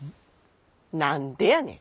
何でやねん！